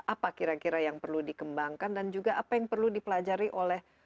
apa kira kira yang perlu dikembangkan dan juga apa yang perlu dipelajari oleh